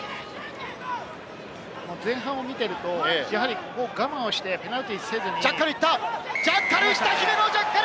前半を見ていると、我慢をしてペナルティー。